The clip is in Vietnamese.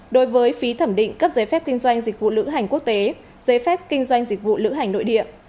đối với phí thẩm định cấp giấy phép kinh doanh dịch vụ lữ hành quốc tế giấy phép kinh doanh dịch vụ lữ hành nội địa